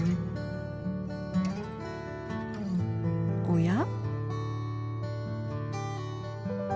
おや？